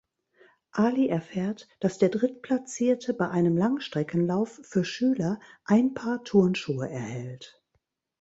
Ali erfährt, dass der Drittplatzierte bei einem Langstreckenlauf für Schüler ein Paar Turnschuhe erhält.